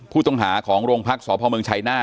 ผู้ต้องหาของโรงพักษ์สพเมืองชัยหน้า